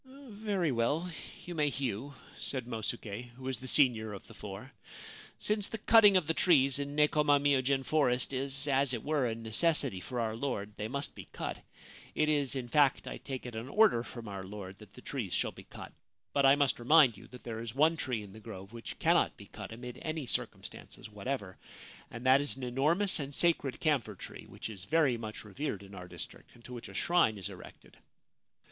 ' Very well, you may hew/ said Mosuke, who was the senior of the four. 'Since the cutting of the trees in Nekoma myojin forest is as it were a necessity for our lord, they must be cut ; it is, in fact, I take it, an order from our lord that the trees shall be cut ; but I must re mind you that there is one tree in the grove which cannot be cut amid any circumstances whatever, and that is an enormous and sacred camphor tree which is very much 357 Ancient Tales and Folklore of Japan revered in our district, and to which a shrine is erected.